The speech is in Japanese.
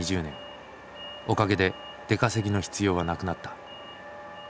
おかげで出稼ぎの必要はなくなった。